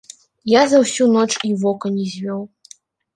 Я за ўсю ноч і вокам не звёў.